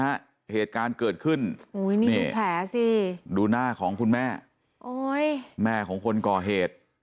เนี่ยฮะเหตุการณ์เกิดขึ้นดูหน้าของคุณแม่แม่ของคนก่อเหตุ